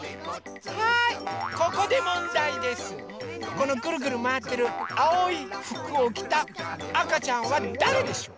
このぐるぐるまわってるあおいふくをきたあかちゃんはだれでしょう？